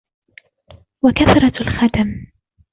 وَكَثْرَةُ الْخَدَمِ